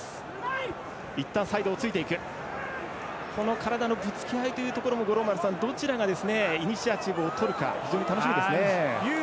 体のぶつけ合いというところもどちらがイニシアチブをとるか非常に楽しみですね。